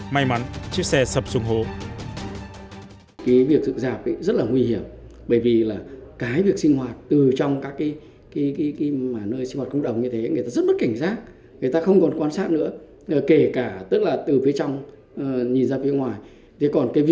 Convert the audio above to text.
may mắn chiếc xe sập xuống hồ